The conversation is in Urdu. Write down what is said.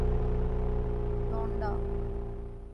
لونڈا